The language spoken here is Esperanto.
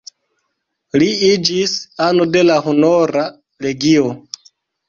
Li iĝis ano de la Honora Legio.